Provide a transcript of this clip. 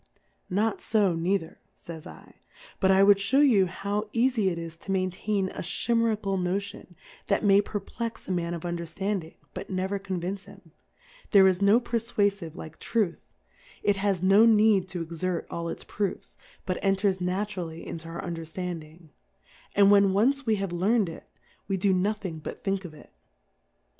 Not fo neither, fays /, but I would fhew you ho vv eafie it is to maintain a Chimerical Noti on, that may perplex a Man of Un dcrilanding, but never convince him ; there is no Perfwafive like Truth, it has no need to exert all its Proofs, but enters naturally into our Under ftanding ; and when once we have learn'd it, we do nothing but think of it.